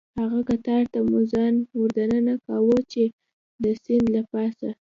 هغه قطار ته مو ځان وردننه کاوه، چې د سیند له پاسه.